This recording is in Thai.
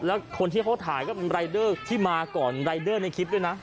แล้วคนที่เขาถ่ายก็เป็นรายเดอร์ที่มาก่อนรายเดอร์ในคลิปด้วยนะ